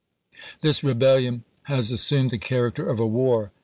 This rebellion has assumed the character of a war.